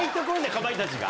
かまいたちが。